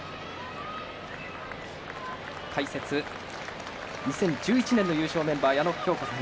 解説、２０１１年の優勝メンバー矢野喬子さん。